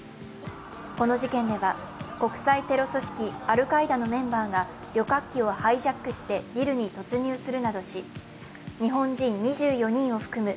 この事件では国際テロ組織アルカイダのメンバーが旅客機をハイジャックしてビルに突入するなどし日本人２４人を含む